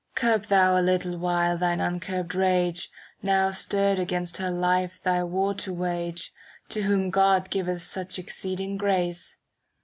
Curb thou a little while thine uncurbed rage. Now stirred against her life thy war to wage, To whom God giveth such exceeding grace.